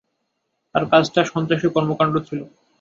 তার কাজটা সন্ত্রাসী কর্মকাণ্ড ছিলো।